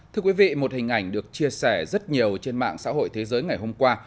thưa quý vị một hình ảnh được chia sẻ rất nhiều trên mạng xã hội thế giới ngày hôm qua